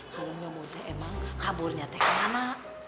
kalo nyomoteh emang kaburnya teh kemana